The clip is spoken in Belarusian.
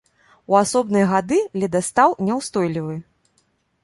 У асобныя гады ледастаў няўстойлівы.